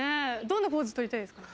どんなポーズ取りたいですか？